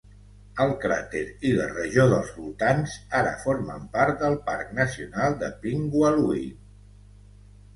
El cràter i la regió dels voltants ara formen part del Parc Nacional de Pingualuit.